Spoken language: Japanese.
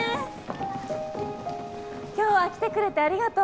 今日は来てくれてありがとう